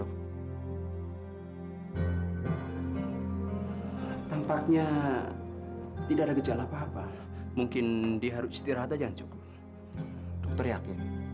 hai tampaknya tidak ada gejala apa apa mungkin diharu istirahat aja cukup teriak